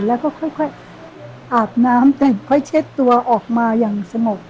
แล้วก็ค่อยอาบน้ำแต่งค่อยเช็ดตัวออกมาอย่างสงบ